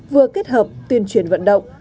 vừa kết hợp tuyên truyền vận động